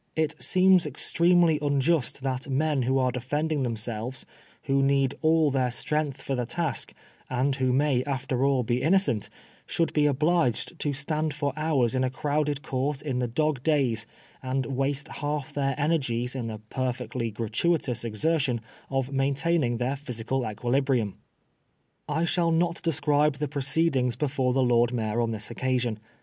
It seems ex tremely unjust that men who are defending them selves, who need all their strength for the task, and who may after all be innocent, should be obliged to stand for hours in a crowded court in the dog days, and waste half their energies in the perfectly gratuitous exertion of maintaining their physical equilibrium. I shall not describe the proceedings before the Lord Mayor on this occasion.